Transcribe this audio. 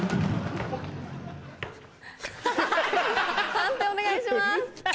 判定お願いします。